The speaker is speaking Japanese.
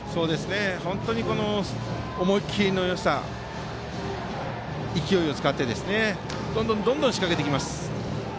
本当に思い切りのよさ勢いを使ってどんどん仕掛けてきます。